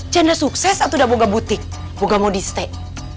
janda sukses atau udah boga butik boga modis teh